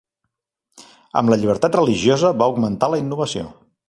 Amb la llibertat religiosa va augmentar la innovació.